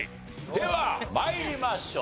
では参りましょう。